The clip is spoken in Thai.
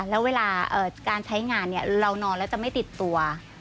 แล้วเวลาการใช้งานเรานอนแล้วจะไม่ติดตัว